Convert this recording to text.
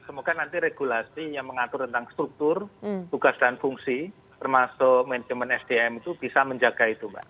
semoga nanti regulasi yang mengatur tentang struktur tugas dan fungsi termasuk manajemen sdm itu bisa menjaga itu mbak